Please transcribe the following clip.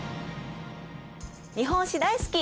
日本史大好き！